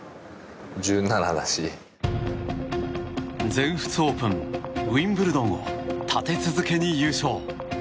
全仏オープンウィンブルドンを立て続けに優勝。